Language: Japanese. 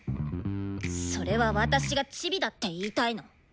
それは私がチビだって言いたいの？